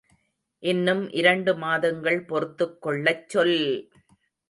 இன்னும் இரண்டு மாதங்கள் பொறுத்துக் கொள்ளச் சொல்!